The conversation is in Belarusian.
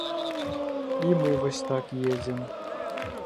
І мы вось так едзем.